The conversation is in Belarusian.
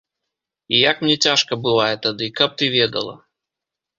І як мне цяжка бывае тады, каб ты ведала.